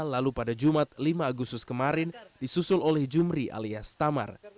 lalu pada jumat lima agustus kemarin disusul oleh jumri alias tamar